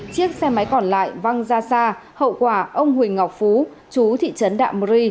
chiếc xe máy còn lại văng ra xa hậu quả ông huỳnh ngọc phú chú thị trấn đạm ri